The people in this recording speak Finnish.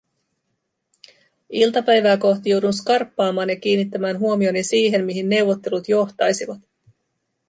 Iltapäivää kohti joudun skarppaamaan ja kiinnittämään huomioni siihen, mihin neuvottelut johtaisivat.